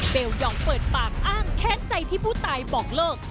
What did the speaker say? ยองเปิดปากอ้างแค้นใจที่ผู้ตายบอกเลิก